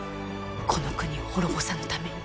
この国を滅ぼさぬために。